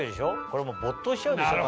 これもう没頭しちゃうでしょ。